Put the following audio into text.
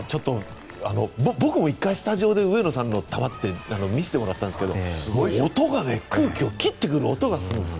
僕も１回、スタジオで上野さんの球って見せてもらったんですけど空気を切ってくる音がするんです。